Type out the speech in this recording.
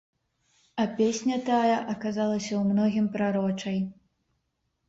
А песня тая аказалася ў многім прарочай.